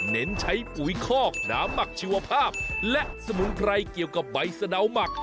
เน้นใช้ปุ๋ยคอกน้ำหมักชีวภาพและสมุนไพรเกี่ยวกับใบสะดาวหมัก